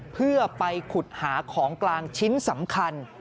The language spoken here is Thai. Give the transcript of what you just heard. เพื่อไปขุดหาของกลางชิ้นสำคัญ